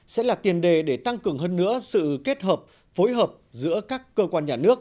sẽ là tiền đề để tăng cường hơn nữa sự kết hợp phối hợp giữa các cơ quan nhà nước